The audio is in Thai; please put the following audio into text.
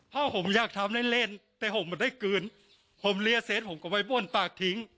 พ่อผมอยากทำเล่นเล่นแต่ผมมันได้กลืนผมเรียนเสร็จผมก็ไปบ้วนปากทิ้ง